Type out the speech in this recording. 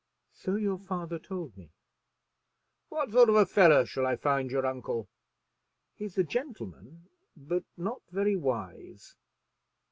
"So your father told me." "What sort of a fellow shall I find your uncle?" "He's a gentleman, but not very wise."